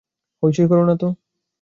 হইচই করো না তো।